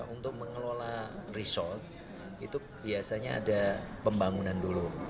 untuk mengelola resort itu biasanya ada pembangunan dulu